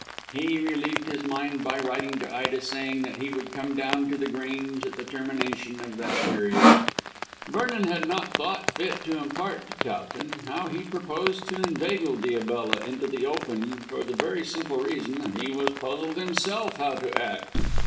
He relieved his mind by writing to Ida saying that he would come down to The Grange at the termination of that period. Vernon had not thought fit to impart to Towton how he proposed to inveigle Diabella into the open for the very simple reason that he was puzzled himself how to act.